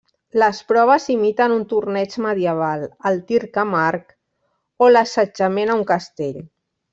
Les proves imiten un torneig medieval, el tir amb arc o l'assetjament a un castell.